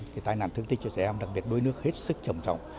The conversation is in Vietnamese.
cái tai nạn thương tích cho trẻ em đặc biệt đuối nước hết sức trầm trọng